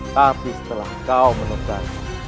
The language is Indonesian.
tapi setelah kau menegak